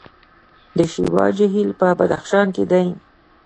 د شیوا جهیل په بدخشان کې دی